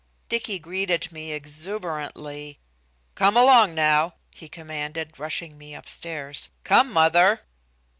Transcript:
Dicky greeted me exuberantly. "Come along now," he commanded, rushing me upstairs. "Come, mother!"